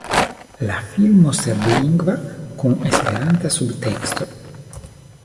La filmo serblingva kun esperanta subteksto.